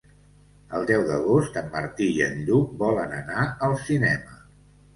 El deu d'agost en Martí i en Lluc volen anar al cinema.